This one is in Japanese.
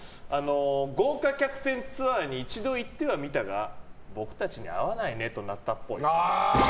豪華客船ツアーに一度行ってはみたが僕たちには合わないねとなったっぽい。